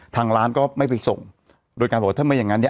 ทางร้านก็ไม่ไปส่งโดยการบอกว่าถ้าไม่อย่างงั้นเนี้ย